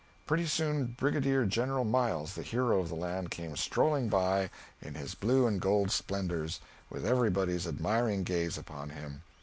Pretty soon Brigadier General Miles, the hero of the land, came strolling by in his blue and gold splendors, with everybody's admiring gaze upon him.